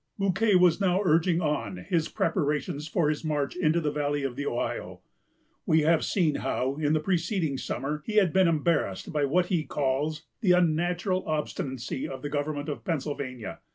Bouquet was now urging on his preparations for his march into the valley of the Ohio. We have seen how, in the preceding summer, he had been embarrassed by what he calls "the unnatural obstinacy of the government of Pennsylvania."